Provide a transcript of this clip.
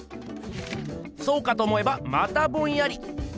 そうかと思えばまたボンヤリ。